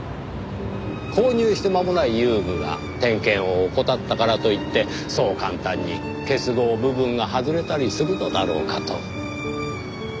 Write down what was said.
購入して間もない遊具が点検を怠ったからといってそう簡単に結合部分が外れたりするのだろうかと。